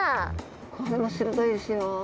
これも鋭いですよ。